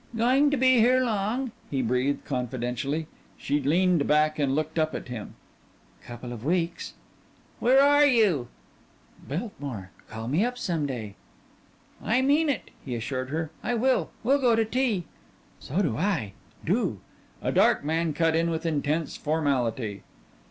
"Going to be here long?" he breathed confidentially. She leaned back and looked up at him. "Couple of weeks." "Where are you?" "Biltmore. Call me up some day." "I mean it," he assured her. "I will. We'll go to tea." "So do I Do." A dark man cut in with intense formality.